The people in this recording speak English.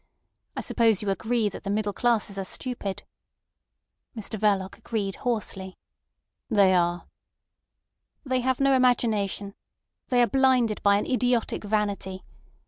I suppose you agree that the middle classes are stupid?" Mr Verloc agreed hoarsely. "They are." "They have no imagination. They are blinded by an idiotic vanity.